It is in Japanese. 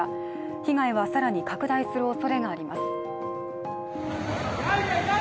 被害は更に拡大するおそれがあります。